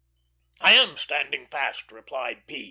"I am standing fast," replied P.